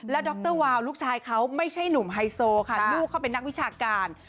ดรวาวลูกชายเขาไม่ใช่หนุ่มไฮโซค่ะลูกเขาเป็นนักวิชาการ